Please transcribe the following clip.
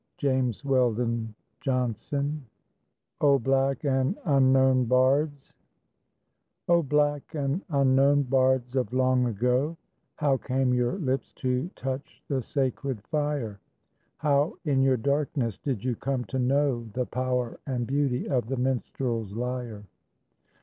James Weldon Johnson O BLACK AND UNKNOWN BARDS O black and unknown bards of long ago, How came your lips to touch the sacred fire? How, in your darkness, did you come to know The power and beauty of the minstrel's lyre?